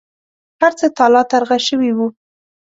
هرڅه تالا ترغه شوي و.